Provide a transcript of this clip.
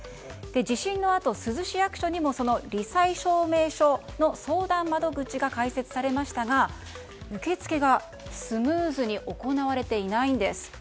地震のあと、珠洲市役所にも罹災証明書の相談窓口が開設されましたが受け付けがスムーズに行われていないんです。